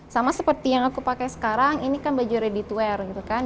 sama seperti yang aku pakai sekarang ini kan baju ready to wear gitu kan